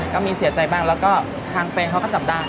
ก็มีเสียใจบ้างแล้วก็ทางแฟนเขาก็จับได้